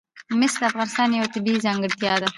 مس د افغانستان یوه طبیعي ځانګړتیا ده.